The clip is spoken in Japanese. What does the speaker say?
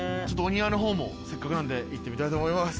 せっかくなんで行ってみたいと思います。